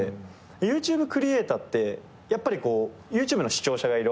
ＹｏｕＴｕｂｅクリエイターってやっぱりＹｏｕＴｕｂｅの視聴者がいる。